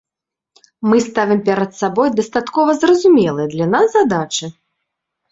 Мы ставім перад сабой дастаткова зразумелыя для нас задачы.